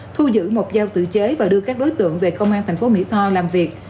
thu giữ một dao tự chế và đưa các đối tượng về công an thành phố mỹ tho làm việc